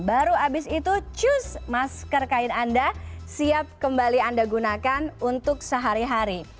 baru habis itu cus masker kain anda siap kembali anda gunakan untuk sehari hari